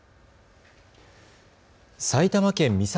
埼玉県美里